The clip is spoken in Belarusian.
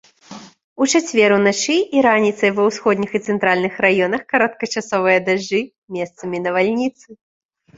У чацвер уначы і раніцай ва ўсходніх і цэнтральных раёнах кароткачасовыя дажджы, месцамі навальніцы.